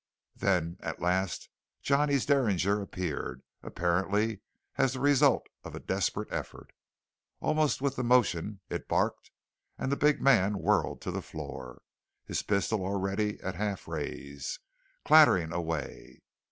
Then at last Johnny's derringer appeared, apparently as the result of a desperate effort. Almost with the motion, it barked, and the big man whirled to the floor, his pistol, already at half raise, clattering away.